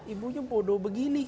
ibunya bodoh begini